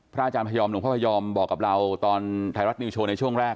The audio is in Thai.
อาจารย์พยอมหลวงพ่อพยอมบอกกับเราตอนไทยรัฐนิวโชว์ในช่วงแรก